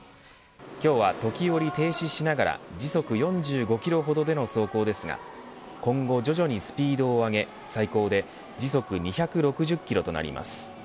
今日は時折停止しながら時速４５キロほどでの走行ですが今後徐々にスピードを上げ最高で時速２６０キロとなります。